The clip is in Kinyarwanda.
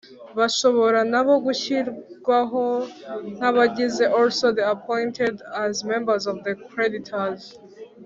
bashobora na bo gushyirwaho nk abagize also be appointed as members of the creditors